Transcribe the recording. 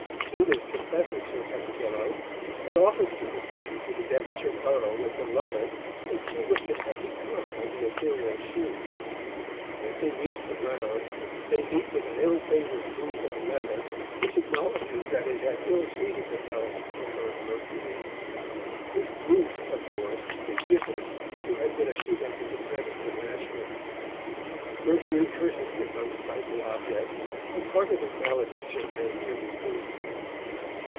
Venus confesses her peccadillo, and offers to descend to the Devonshire borough with her lover, and see what can have become of the ethereal shoe. As they reach the ground, they meet with an ill favoured boot of leather, which acknowledges that it has ill treated the delicate slipper of Mercury. This boot, of course, is Gifford, who had been a shoemaker's apprentice in Ashburton. Mercury curses this unsightly object, and part of his malediction may here be quoted.